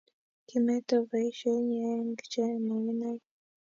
Kimeto boishet nyi eng che makinai